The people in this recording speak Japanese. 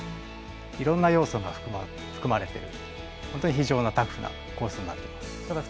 いろんな要素が含まれている本当に非常にタフなコースになっています。